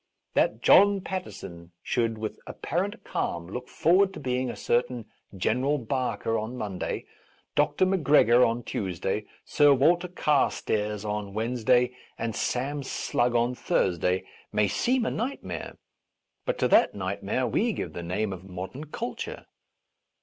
That John Paterson should, with apparent calm, look forward to being a cer tain General Barker on Monday, Dr. Mac gregor on Tuesday, Sir Walter Carstairs on Wednesday, and Sam Slugg on Thurs day, may seem a nightmare ; but to that nightmare we give the name of modern culture.